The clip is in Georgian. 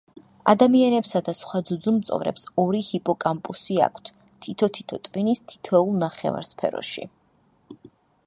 ადამიანებსა და სხვა ძუძუმწოვრებს ორი ჰიპოკამპუსი აქვთ, თითო-თითო ტვინის თითოეულ ნახევარსფეროში.